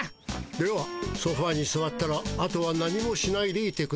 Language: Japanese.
ではソファーにすわったらあとは何もしないでいてください。